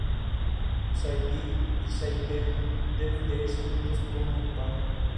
Side-B y Side-R deben leerse juntos como un par.